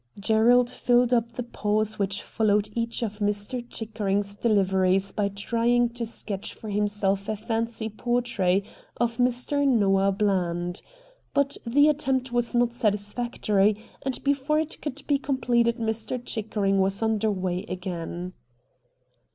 Gerald filled up the pause which followed each of Mr. Chickering's deliveries by trying to sketch for himself a fancy portrait of Mr. Noah Bland. But the attempt was not satis factory, and before it could be completed Mr. Chickering was under way again.